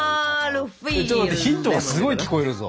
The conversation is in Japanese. ちょっと待ってヒントがすごい聞こえるぞ。